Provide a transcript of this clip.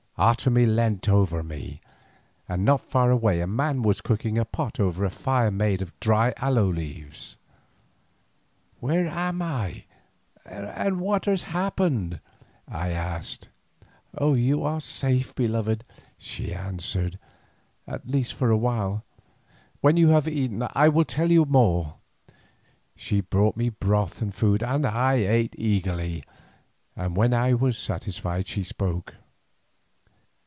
Otomie leant over me, and not far away a man was cooking a pot over a fire made of dry aloe leaves. "Where am I and what has happened?" I asked. "You are safe, beloved," she answered, "at least for awhile. When you have eaten I will tell you more." She brought me broth and food and I ate eagerly, and when I was satisfied she spoke.